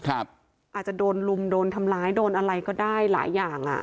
อาจจะโดนลุมโดนทำร้ายโดนอะไรก็ได้หลายอย่าง